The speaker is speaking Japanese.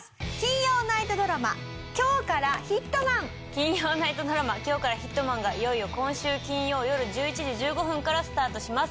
金曜ナイトドラマ『今日からヒットマン』がいよいよ今週金曜よる１１時１５分からスタートします。